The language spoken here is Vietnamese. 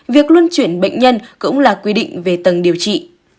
việc luân chuyển bệnh nhân cũng là quy định về tầng điều trị